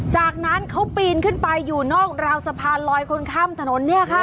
จากนั้นเขาปีนขึ้นไปอยู่นอกราวสะพานลอยคนข้ามถนนเนี่ยค่ะ